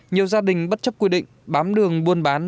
nhiều gia đình bất chấp quy định bám đường buôn bán